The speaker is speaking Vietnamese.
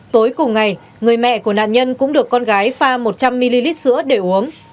tối cùng ngày người mẹ của nạn nhân cũng được con gái pha một trăm linh ml sữa để uống